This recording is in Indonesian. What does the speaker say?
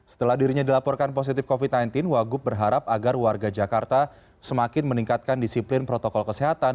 setelah dirinya dilaporkan positif covid sembilan belas wagub berharap agar warga jakarta semakin meningkatkan disiplin protokol kesehatan